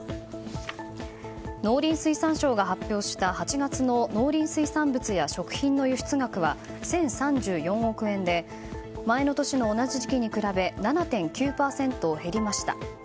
農林水産省が発表した８月の農林水産物や食品の輸出額は１０３４億円で前の年の同じ月に比べ７．９％減りました。